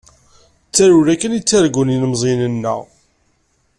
D tarewla kan i ttargun yilemẓiyen-nneɣ.